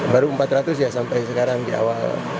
baru empat ratus ya sampai sekarang di awal